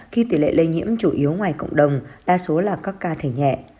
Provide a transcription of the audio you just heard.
khi tỷ lệ lây nhiễm chủ yếu ngoài cộng đồng đa số là các ca thể nhẹ